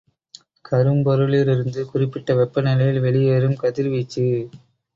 கரும்பொருளிலிருந்து குறிப்பிட்ட வெப்பநிலையில் வெளியேறும் கதிர்வீச்சு.